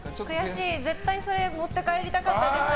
絶対にピンバッジ持って帰りたかったです。